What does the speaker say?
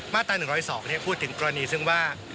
มาตรา๑๐๒พูดถึงกรณีซึ่งว่า